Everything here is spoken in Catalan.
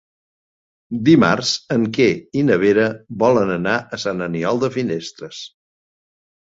Dimarts en Quer i na Vera volen anar a Sant Aniol de Finestres.